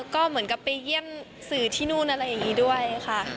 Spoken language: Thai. ก็เหมือนกับไปเยี่ยมสื่อที่นู่นอะไรอย่างนี้ด้วยค่ะ